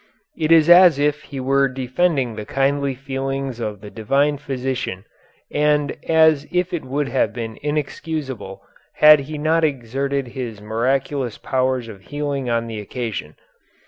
It is as if he were defending the kindly feelings of the Divine Physician and as if it would have been inexcusable had He not exerted His miraculous powers of healing on this occasion.